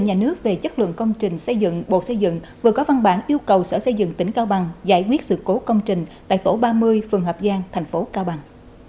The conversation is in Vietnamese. nhà nước về chất lượng công trình xây dựng bộ xây dựng vừa có văn bản yêu cầu sở xây dựng tỉnh cao bằng giải quyết sự cố công trình tại tổ ba mươi phường hợp giang thành phố cao bằng